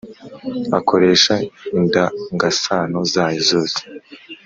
akoresha indangasano zayo zose